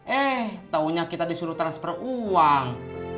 eh taunya kita disuruh transfer uang